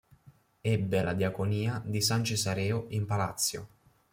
Ebbe la diaconia di San Cesareo in Palatio.